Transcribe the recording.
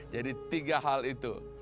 jadi tiga hal itu